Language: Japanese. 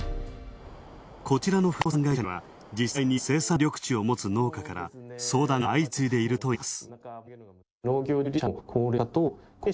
こちらの不動産会社には実際に生産緑地を持つ農家から相談が相次いでいるといいます。